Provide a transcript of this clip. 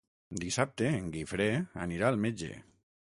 Dissabte en Guifré anirà al metge.